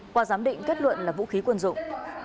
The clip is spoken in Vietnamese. qua giám định kết luận là vũ khí quân dụng